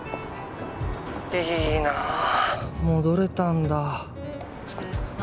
いいなあ戻れたんだま